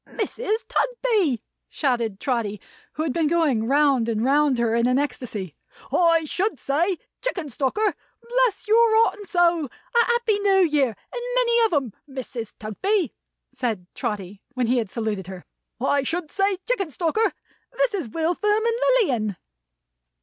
"Mrs. Tugby," said Trotty, who had been going round and round her in an ecstasy "I should say Chickenstalker bless your heart and soul! A happy New Year, and many of 'em! Mrs. Tugby," said Trotty, when he had saluted her "I should say Chickenstalker this is William Fern and Lilian."